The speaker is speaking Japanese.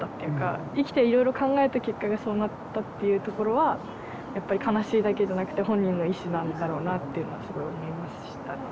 生きていろいろ考えた結果がそうなったっていうところはやっぱり悲しいだけじゃなくて本人の意志なんだろうなっていうのはすごい思いました。